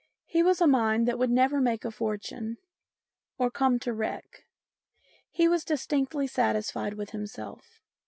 His was a mind that would never make a fortune or come to wreck. He was distinctly satisfied with himself.